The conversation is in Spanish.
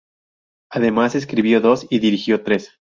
Además escribió dos y dirigió tres.